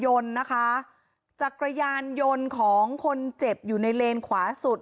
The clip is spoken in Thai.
ยนต์นะคะจักรยานยนต์ของคนเจ็บอยู่ในเลนขวาสุด